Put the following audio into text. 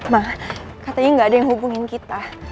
ma katanya nggak ada yang hubungin kita